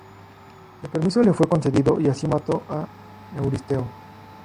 El permiso le fue concedido y así mató a Euristeo.